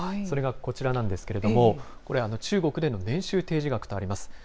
それがこちらなんですけれども、これ、中国での年収提示額とあります。